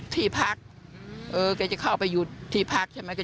ตอนนั้นคุณยายทำอะไรละ